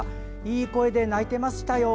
いい声で鳴いていましたよ。